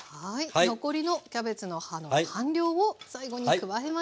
残りのキャベツの葉の半量を最後に加えます。